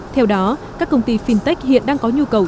theo đó các công ty fintech hiện đang có nhu cầu